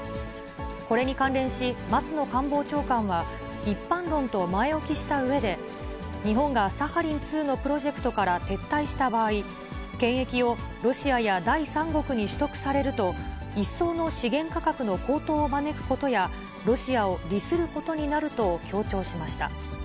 これに関連し、松野官房長官は、一般論と前置きしたうえで、日本がサハリン２のプロジェクトから撤退した場合、権益をロシアや第三国に取得されると、一層の資源価格の高騰を招くことや、ロシアを利することになると強調しました。